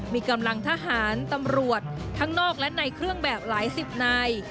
มีกำลังทหารตำรวจทั้งนอกและในเครื่องแบบหลายสิบนาย